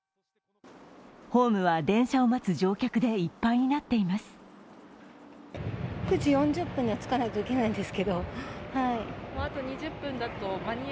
ホームは電車を待つ乗客でいっぱいになっています。